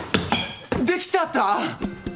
できちゃった！？